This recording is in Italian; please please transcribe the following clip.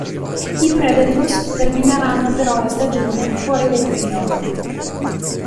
I Predators termineranno però la stagione fuori dai playoff.